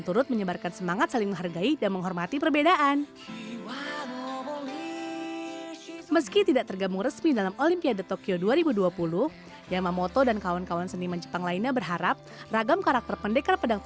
dan juga untuk mencari kemampuan untuk mencari kemampuan